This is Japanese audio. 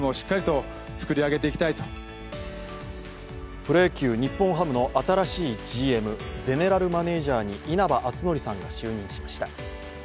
プロ野球・日本ハムの新しいＧＭ＝ゼネラルマネージャーに稲葉篤紀さんが就任しました。